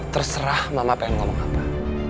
terserah mama pengen ngomong apa